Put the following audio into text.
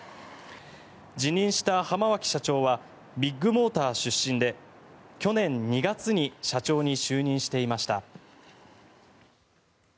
辞任した浜脇社長はビッグモーター出身で去年２月に社長に就任していました。